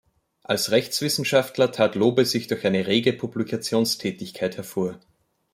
Als Rechtswissenschaftler tat Lobe sich durch eine rege Publikationstätigkeit hervor.